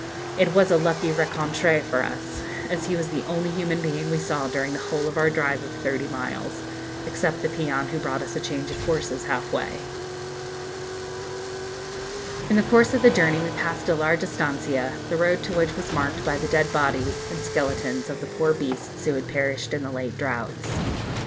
It was a lucky rencontre for us, as he was the only human being we saw during the whole of our drive of thirty miles, except the peon who brought us a change of horses, half way. In the course of the journey we passed a large estancia, the road to which was marked by the dead bodies and skeletons of the poor beasts who had perished in the late droughts.